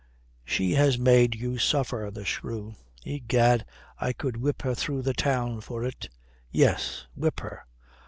She has made you suffer, the shrew. Egad, I could whip her through the town for it." "Yes. Whip her."